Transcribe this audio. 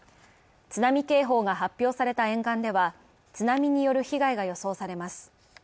津波警報が発表された沿岸では、津波による被害が予想されます。